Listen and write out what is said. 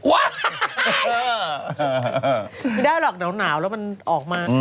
ไม่ได้หรอกหนาวแล้วมันออกมา